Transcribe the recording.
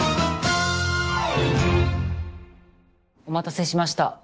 お待たせしました。